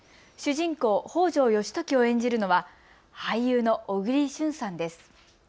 主人公、北条義時を演じるのは俳優の小栗旬さんです。